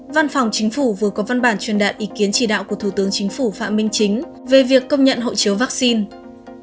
văn phòng chính phủ vừa có văn bản truyền đạt ý kiến chỉ đạo của thủ tướng chính phủ phạm minh chính về việc công nhận hộ chiếu vaccine